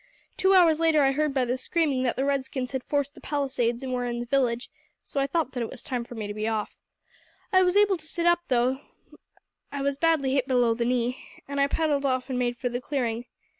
Two hours later I heard by the screaming that the red skins had forced the palisades and were in the village, so I thought that it was time for me to be off. I was able to sit up, though I was badly hit below the knee, and I paddled off and made for the clearing.